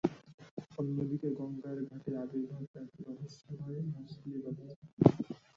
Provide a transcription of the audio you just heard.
অন্যদিকে গঙ্গার ঘাটে আবির্ভাব এক রহস্যময় মছলিবাবার।